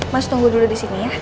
mas tunggu dulu disini ya